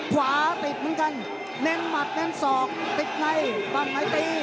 ขวาติดเหมือนกันเน้นหมัดเน้นศอกติดในฝั่งไหนตี